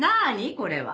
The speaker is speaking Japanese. これは。